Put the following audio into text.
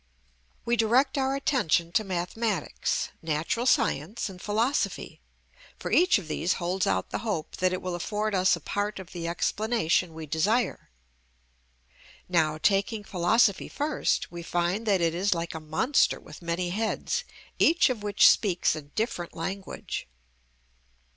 We direct our attention to mathematics, natural science, and philosophy, for each of these holds out the hope that it will afford us a part of the explanation we desire. Now, taking philosophy first, we find that it is like a monster with many heads, each of which speaks a different language.